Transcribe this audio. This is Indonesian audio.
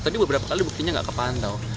tapi beberapa kali buktinya nggak kepantau